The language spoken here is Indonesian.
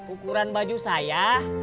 ukuran baju saya